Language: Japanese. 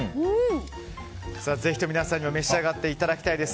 ぜひとも皆さんにも召し上がっていただきたいです。